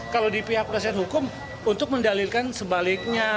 kalau di pihak kesehatan hukum untuk mendalirkan sebaliknya